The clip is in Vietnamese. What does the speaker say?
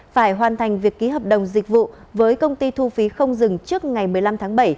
phải hoàn thành việc ký hợp đồng dịch vụ với công ty thu phí không dừng trước ngày một mươi năm tháng bảy